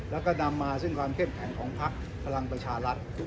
แล้วก็นำมาซึ่งความเข้มแข็งของพักพลังประชารัฐ